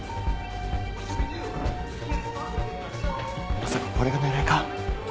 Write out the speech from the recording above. まさかこれが狙いか？